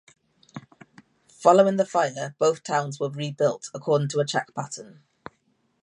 Following the fire, both towns were rebuilt according to a check pattern.